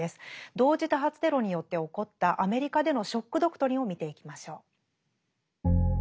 同時多発テロによって起こったアメリカでの「ショック・ドクトリン」を見ていきましょう。